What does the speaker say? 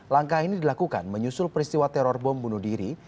langkah ini dilakukan menyusul peristiwa teror bom bunuh diri